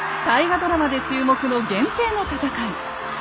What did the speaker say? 大河ドラマで注目の「源平の戦い」。